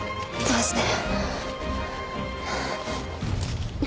どうして？